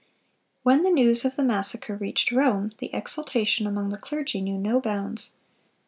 "When the news of the massacre reached Rome, the exultation among the clergy knew no bounds.